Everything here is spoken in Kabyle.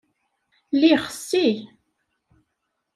La ixessi.